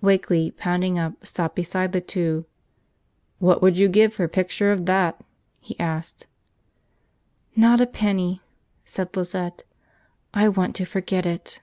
Wakeley, pounding up, stopped beside the two. "What would you give for a picture of that?" he asked. "Not a penny," said Lizette. "I want to forget it."